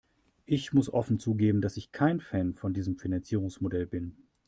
Ich muss offen zugeben, dass ich kein Fan von diesem Finanzierungsmodell bin.